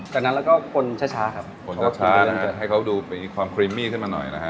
จากนั้นเราก็คนช้าช้าครับคนช้านะฮะให้เขาดูมีความครีมมี่ขึ้นมาหน่อยนะฮะ